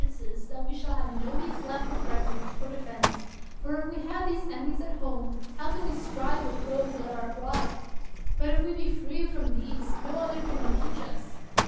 47 THE WORLD'S FAMOUS ORATIONS such entrance that we shall have no means left of refuge or defense ; for if we have these enemies at home, how can we strive with those that are abroad ? But if we be free from these, no others can impeach us!